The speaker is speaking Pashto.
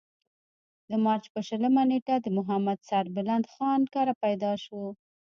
د مارچ پۀ شلمه نېټه د محمد سربلند خان کره پېدا شو ۔